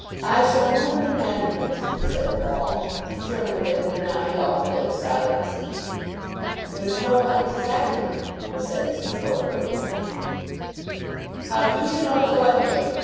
"I shall move an amendment," said Paul, determined that he would not be altogether silenced. "There is nobody to second it," said Mr. Cohenlupe. "How do you know till I've made it?"